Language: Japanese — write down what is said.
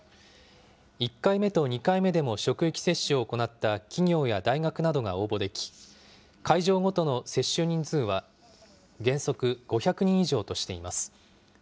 １回目と２回目でも職域接種を行った企業や大学などが応募でき、会場ごとの接種人数は原則５００人以上としています。